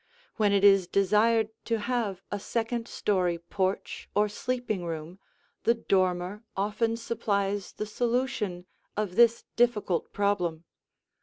When it is desired to have a second story porch or sleeping room, the dormer often supplies the solution of this difficult problem.